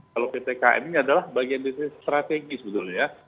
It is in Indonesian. kalau ppkm ini adalah bagian dari strategi sebetulnya ya